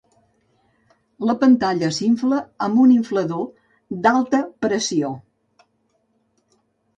La pantalla s'infla amb un inflador d'alta pressió.